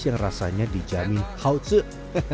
yang rasanya dijamin hautsuk